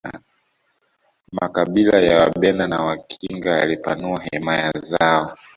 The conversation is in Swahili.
makabila ya wabena na wakinga yalipanua himaya zao